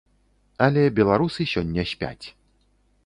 Але беларусы сёння спяць.